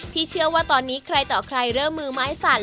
เชื่อว่าตอนนี้ใครต่อใครเริ่มมือไม้สั่น